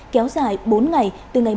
kéo dài bốn ngày